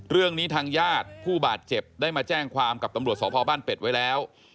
เรื่องนี้ทางญาติผู้บาดเจ็บได้มาแจ้งความกับตำรวจสพบ้านเป็ดไว้แล้ว